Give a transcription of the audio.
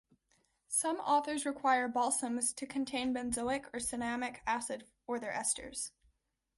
Some authors require balsams to contain benzoic or cinnamic acid or their esters.